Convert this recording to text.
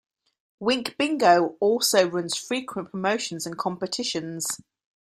Wink Bingo also runs frequent promotions and competitions.